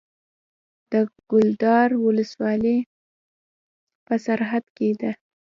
د کلدار ولسوالۍ په سرحد کې ده